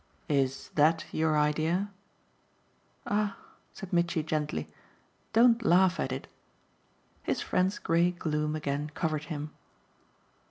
"Is that your idea?" "Ah," said Mitchy gently, "don't laugh at it." His friend's grey gloom again covered him.